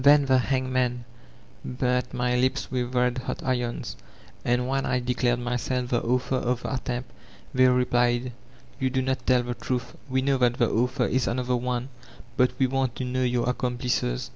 Then the hangmen burnt my lips with red hot irons, and when I declared myself the author of the attempt they replied, 'You do not tell the truth. We know that the author is another one, but we want to know your accomplices.